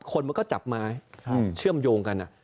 คนมันก็จับไม้เชื่อมโยงกัน